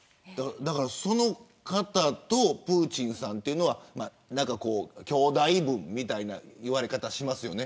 その方とプーチンさんが兄弟分みたいな言われ方しますよね。